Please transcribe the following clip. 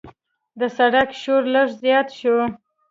د سړک شور لږ زیات و.